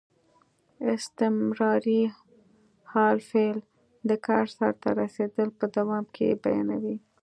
استمراري حال فعل د کار سرته رسېدل په دوام کې بیانیوي.